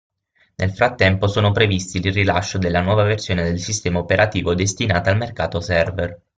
Nel frattempo sono previsti il rilascio della nuova versione del sistema operativo destinata al mercato server.